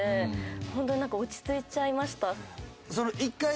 ホントに落ち着いちゃいました。